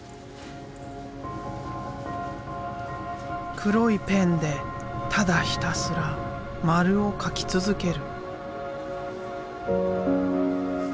黒いペンでただひたすら丸を描き続ける。